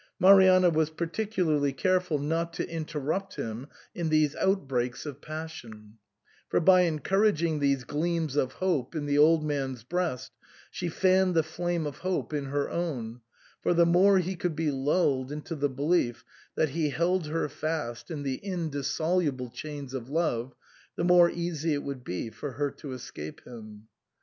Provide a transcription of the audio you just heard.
Marianna was particularly careful not to interrupt him in these outbreaks of passion, for by encouraging these gleams of hope in the old man's breast she fanned the flame of hope in her own, for the more he could be lulled into the belief that he held her fast in the indissoluble chains of love, the more easy it would be for her to escape him.